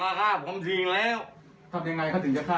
ทำยังไงเขาถึงจะฆ่าเราทำยังไง